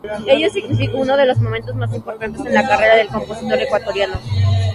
Ello significó uno de los momentos más importantes en la carrera del compositor ecuatoriano.